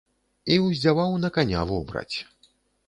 І ўздзяваў на каня вобраць.